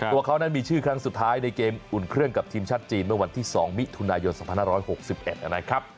ตัวเขานั้นมีชื่อครั้งสุดท้ายในเกมอุ่นเครื่องกับทีมชาติจีนเมื่อวันที่๒มิถุนายน๒๕๖๑นะครับ